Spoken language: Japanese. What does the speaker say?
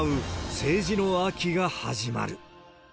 政治の秋が始まる。